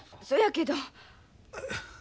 そやけど。